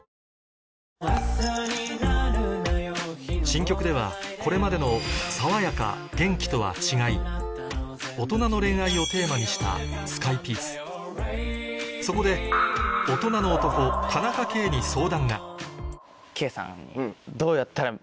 新曲ではこれまでのとは違い大人の恋愛をテーマにしたスカイピースそこで大人の男田中圭に圭さん。